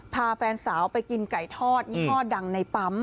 พาแฟนสาวไปกินไก่ทอดยี่ห้อดังในปั๊ม